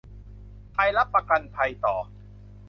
ไทยรับประกันภัยต่อ